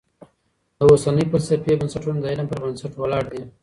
د اوسنۍ فلسفې بنسټونه د علم پر بنسټ ولاړ دي.